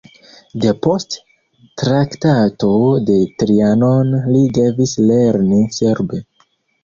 Depost Traktato de Trianon li devis lerni serbe.